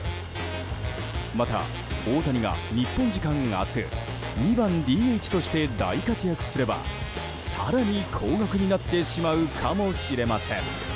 また、大谷が日本時間明日２番ＤＨとして大活躍すれば更に高額になってしまうかもしれません。